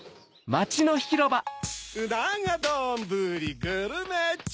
うながどんぶりグルメッチョ！